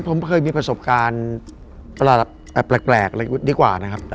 ผมเคยมีประสบการณ์แปลกดีกว่านะครับ